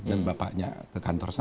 dan bapaknya ke kantor saya